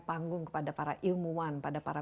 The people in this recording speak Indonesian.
panggung kepada para ilmuwan pada para